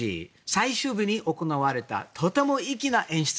最終日に行われたとても粋な演出。